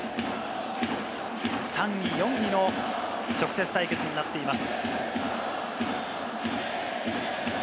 ３位・４位の直接対決になっています。